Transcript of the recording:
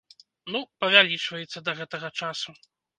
Ну, павялічваецца да гэтага часу.